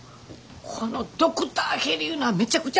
このドクターヘリいうのはめちゃくちゃ大変やねんで。